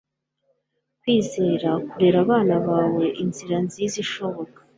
kwizera kurera abana bawe inzira nziza ishoboka